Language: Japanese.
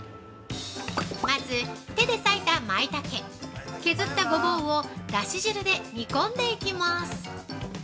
まず、手で割いたマイタケ削ったゴボウをだし汁で煮込んでいきます。